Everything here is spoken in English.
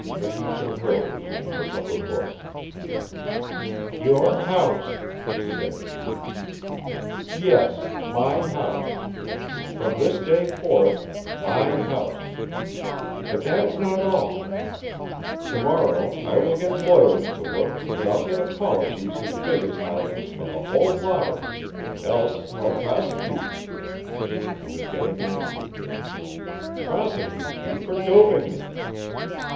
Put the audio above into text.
Venetia rose and took up her book. "Your house," said she. "Yes, my house. From this day forth, my house. But that is not all. To morrow I will get lawyers to work and I'll get apologies as big as houses from the whole lot of you else I'll prosecute." He was getting angry, "prosecute you for doping me."